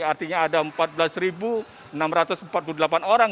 artinya ada empat belas enam ratus empat puluh delapan orang